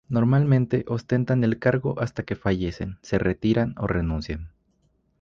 Normalmente, ostentan el cargo hasta que fallecen, se retiran o renuncian.